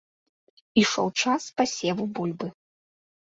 Ішоў час пасеву бульбы.